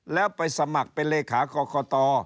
แล้วไปสมัครเป็นเลขากรกต